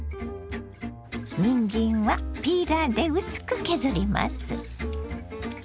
にんじんはピーラーで薄く削ります。